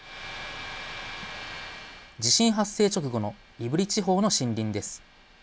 地震発生直後の胆振地方の森林です。